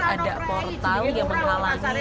ada portal yang menghalangi